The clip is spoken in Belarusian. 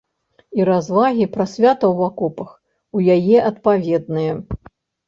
І развагі пра свята ў акопах у яе адпаведныя.